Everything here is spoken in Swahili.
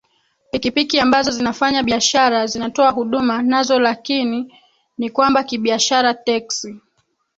pikipiki ambazo zinafanya biashara zinatoa huduma nazo lakini ni kwamba kibiashara teksi